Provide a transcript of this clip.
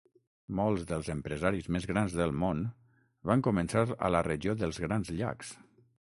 Molts dels empresaris més grans del món van començar a la regió dels Grans Llacs.